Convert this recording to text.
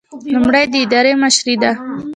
لومړی د ادارې مشري ده.